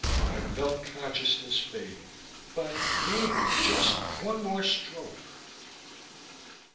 I felt consciousness fading, but maybe just one more stroke....